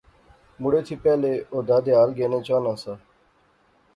مڑے تھی پہلے او دادھیال گینے چاہنا سا